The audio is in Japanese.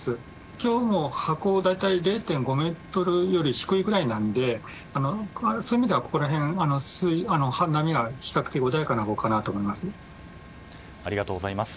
今日も、波高は０．５ｍより低いぐらいなのでそういう意味では波は比較的穏やかなほうかなと思います。